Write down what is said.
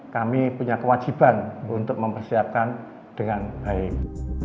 kami punya kewajiban untuk mempersiapkan dengan baik